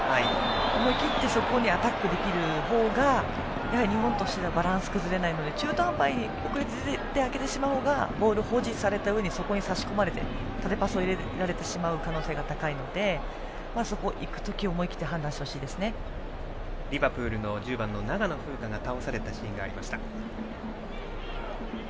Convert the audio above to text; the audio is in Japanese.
思い切ってそこにアタックできる方が日本としてはバランス崩れないので中途半端にしてしまう方がボールを保持されたうえにそこに差し込まれて縦パスを入れられる可能性が高いので行く時は思い切ってリバプールの長野風花が倒されるシーンがありました。